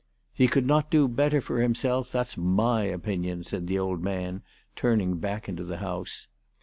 "He could not do better for himself. That's my opinion," said the old man, turning back into the house.